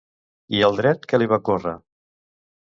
I al dret què li va ocórrer?